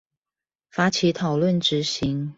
發起討論執行